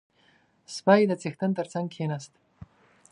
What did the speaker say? • سپی د څښتن تر څنګ کښېناست.